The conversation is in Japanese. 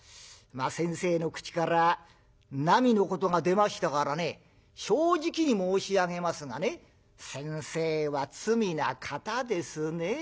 先生の口からなみのことが出ましたからね正直に申し上げますがね先生は罪な方ですね。